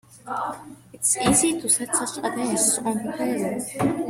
It is easy to set such a dish on the table.